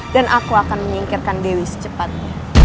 dan aku akan menyingkirkan dewi secepatnya